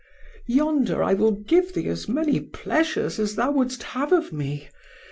Yonder I will give thee as many pleasures as thou wouldst have of me.